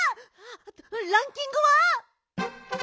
ランキングは？